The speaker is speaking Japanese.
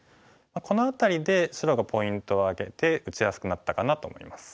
この辺りで白がポイントを挙げて打ちやすくなったかなと思います。